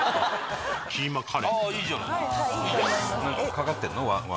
掛かってんの？